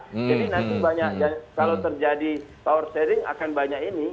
jadi nanti banyak kalau terjadi power sharing akan banyak ini